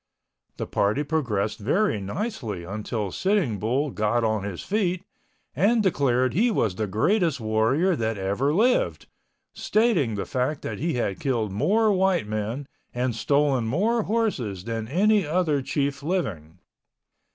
The party progressed very nicely until Sitting Bull got on his feet and declared he was the greatest warrior that ever lived, stating the fact that he had killed more white men and stolen more horses than any other chief living.